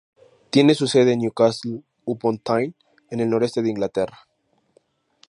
Tiene su sede en Newcastle-upon-Tyne, en el Noreste de Inglaterra.